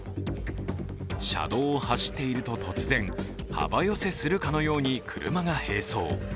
車道を走っていると突然、幅寄せするかのように車が並走。